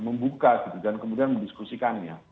membuka gitu dan kemudian mendiskusikannya